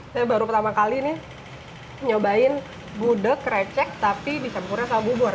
saya baru pertama kali nih nyobain gudeg krecek tapi dicampurnya sama bubur